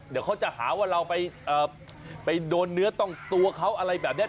เดี๋ยวเขาจะหาว่าเราไปโดนเนื้อต้องตัวเขาอะไรแบบนี้